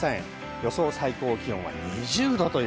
予想最高気温２０度。